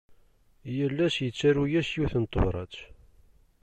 Yal ass yettaru-as yiwet n tebrat.